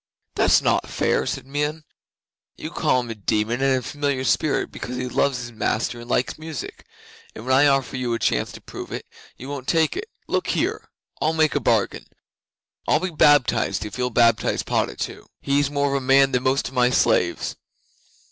'"That's not fair," said Meon. "You call him a demon and a familiar spirit because he loves his master and likes music, and when I offer you a chance to prove it you won't take it. Look here! I'll make a bargain. I'll be baptized if you'll baptize Padda too. He's more of a man than most of my slaves."